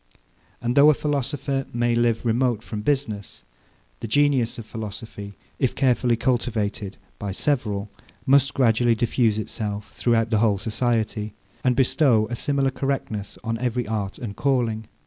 And though a philosopher may live remote from business, the genius of philosophy, if carefully cultivated by several, must gradually diffuse itself throughout the whole society, and bestow a similar correctness on every art and calling.